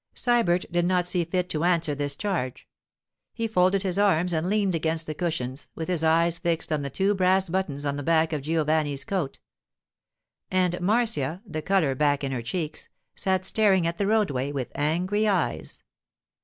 Sybert did not see fit to answer this charge; he folded his arms and leaned against the cushions, with his eyes fixed on the two brass buttons on the back of Giovanni's coat. And Marcia, the colour back in her cheeks, sat staring at the roadway with angry eyes.